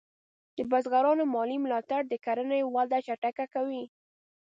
د بزګرانو مالي ملاتړ د کرنې وده چټکه کوي.